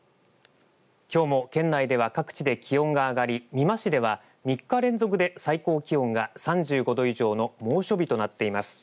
きょうも県内では各地で気温が上がり美馬市では３日連続で最高気温が３５度以上の猛暑日となっています。